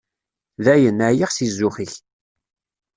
Dayen, ɛyiɣ si zzux-ik.